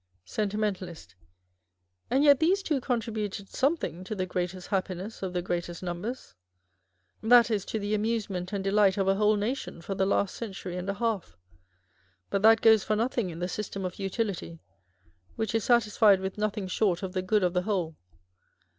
Sentimentalist. And yet these two contributed something to " the greatest happiness of the greatest numbers ;" that is, to the amusement and delight of a whole nation for the last century and a half. But that goes for nothing in the system of Utility, which is satisfied with nothing short of the good of the whole.